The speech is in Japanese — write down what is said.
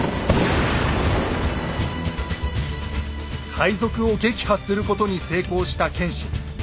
海賊を撃破することに成功した謙信。